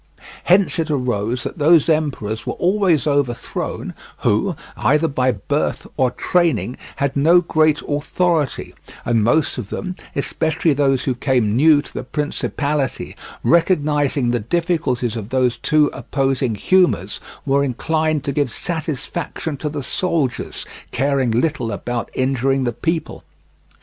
Hence it arose that those emperors were always overthrown who, either by birth or training, had no great authority, and most of them, especially those who came new to the principality, recognizing the difficulty of these two opposing humours, were inclined to give satisfaction to the soldiers, caring little about injuring the people.